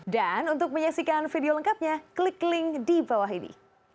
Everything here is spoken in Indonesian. dan untuk menyaksikan video lengkapnya klik link di bawah ini